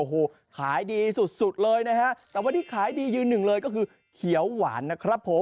โอ้โหขายดีสุดสุดเลยนะฮะแต่ว่าที่ขายดียืนหนึ่งเลยก็คือเขียวหวานนะครับผม